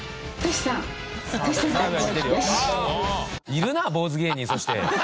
いるな坊主芸人そして。